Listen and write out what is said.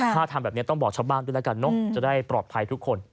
ถ้าทำแบบนี้ต้องบอกชาวบ้านด้วยแล้วกันเนอะจะได้ปลอดภัยทุกคน